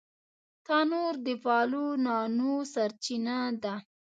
تنور د پالو نانو سرچینه ده